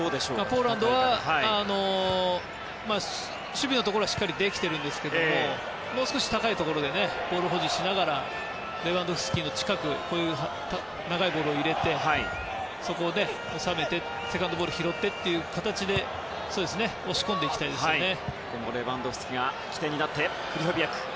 ポーランドは守備のところはできていますがもう少し高いところでボールを保持しながらレバンドフスキの近くに長いボールを入れてそこで、収めてセカンドボールを拾ってという形で押し込んでいきたいですね。